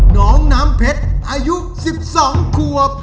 น้องน้ำเพชรอายุสิบสองขวบ